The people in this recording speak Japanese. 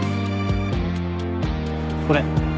これ。